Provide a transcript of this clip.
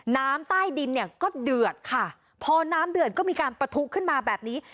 น้ำใต้ดินเนี่ยก็เดือดค่ะพอน้ำเดือดก็มีการประทุขึ้นมาแบบนี้